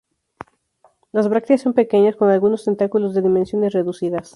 Las brácteas son pequeñas, con algunos tentáculos de dimensiones reducidas.